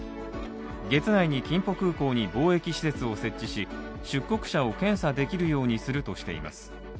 月内にキンポ空港に防疫施設を設置し、出国者を検査できるようにするとしています。